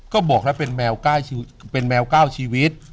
ก็บอกแล้วเป็นแมวก้าวชีวิต